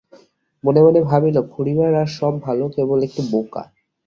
মনে মনে ভাবিল-খুড়িমার আর সব ভালো, কেবল একটু বোকা!